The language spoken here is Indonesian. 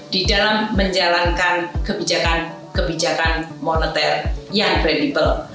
di dalam menjalankan kebijakan kebijakan moneter yang kredibel